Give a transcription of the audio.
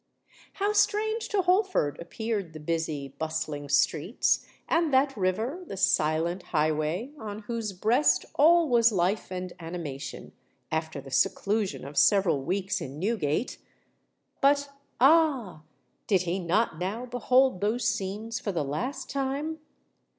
How strange to Holford appeared the busy, bustling streets, and that river—"the silent highway"—on whose breast all was life and animation,—after the seclusion of several weeks in Newgate! But—ah! did he not now behold those scenes for the last time?